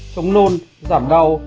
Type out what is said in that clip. chống nôn giảm đau